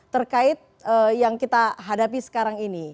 terkait yang kita hadapi sekarang ini